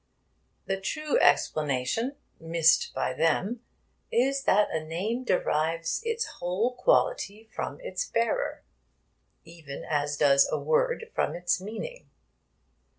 The true explanation, missed by them, is that a name derives its whole quality from its bearer, even as does a word from its meaning.